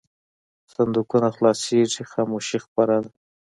صندوقونه خلاصېږي خاموشي خپره ده.